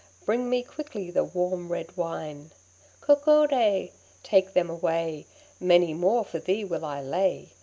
Bring me quickly the warm red wine. Coccodé! take them away Many more for thee will I lay.